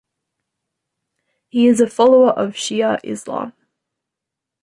He is a follower of Shia Islam.